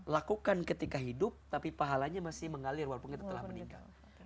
lakukan ketika hidup tapi pahalanya masih mengalir walaupun kita telah meninggal